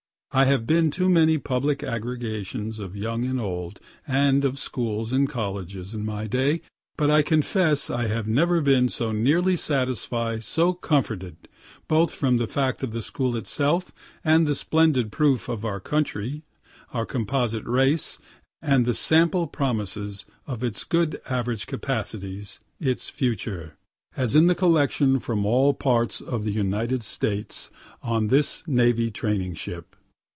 I have been to many public aggregations of young and old, and of schools and colleges, in my day, but I confess I have never been so near satisfied, so comforted, (both from the fact of the school itself, and the splendid proof of our country, our composite race, and the sample promises of its good average capacities, its future,) as in the collection from all parts of the United States on this navy training ship.